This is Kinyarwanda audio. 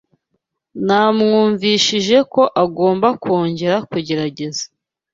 Namwumvishije ko agomba kongera kugerageza.